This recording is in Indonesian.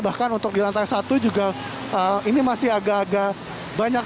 bahkan untuk di lantai satu juga ini masih agak agak banyak